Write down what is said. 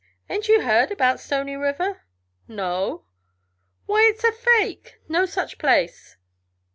Ain't you heard about Stony River?" "No!" "Why, it's a fake no such place."